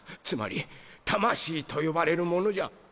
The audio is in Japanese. つまり「たましい」と呼ばれるものじゃ。